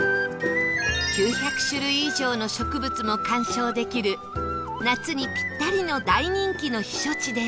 ９００種類以上の植物も観賞できる夏にぴったりの大人気の避暑地です